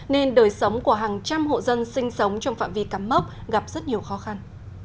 nên đời sống của hàng trăm hộ dân sinh sống trong phạm vi cắm mốc gặp rất nhiều khó khăn